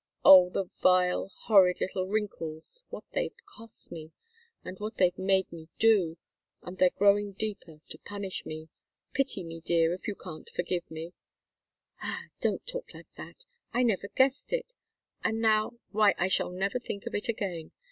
Oh, the vile, horrid little wrinkles what they've cost me! And what they've made me do! And they're growing deeper to punish me pity me, dear, if you can't forgive me " "Ah don't talk like that! I never guessed it, and now why, I shall never think of it again.